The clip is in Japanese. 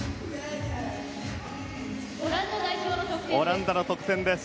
オランダの得点です。